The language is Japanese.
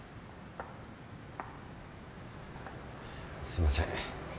すいません。